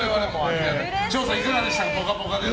翔さん、いかがでしたか？